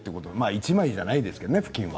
１枚じゃないですけれどもねふきんは。